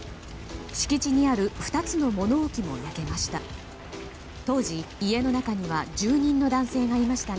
敷地にある２つの物置も焼けました。